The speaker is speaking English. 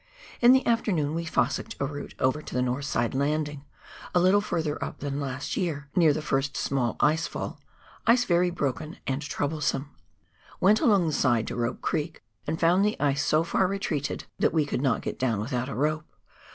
In the afternoon we " fossicked " a route over to the north side landing, a little further up than last year, near the first small ice fall — ice very broken and trouble some. "Went along the side to Rope Creek, and found the ice so far retreated that we could get down without a rope.